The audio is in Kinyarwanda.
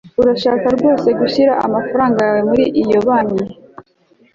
urashaka rwose gushyira amafaranga yawe muri iyo banki?